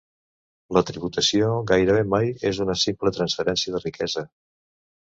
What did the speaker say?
La tributació gairebé mai és una simple transferència de riquesa.